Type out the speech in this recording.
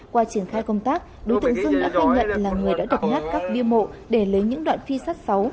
qua triển khai công tác đối tượng dương đã khai nhận là người đã đập nát các biên bộ để lấy những đoạn phi sát xấu